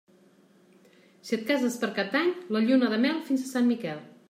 Si et cases per Cap d'Any, la lluna de mel fins a Sant Miquel.